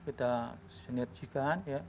kita sinerjikan ya